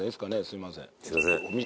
すいません